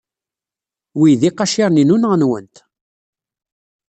Wi d iqaciren-inu neɣ nwent?